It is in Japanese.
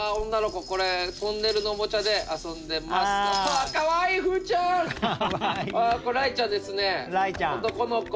らいちゃんですね男の子。